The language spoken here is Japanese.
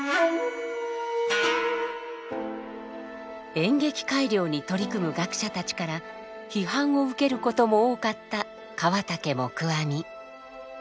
演劇改良に取り組む学者たちから批判を受けることも多かった河竹黙阿弥。